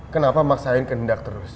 kenapa maksain kendak terus